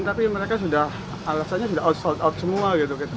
tapi mereka sudah alasannya sudah outsout out semua gitu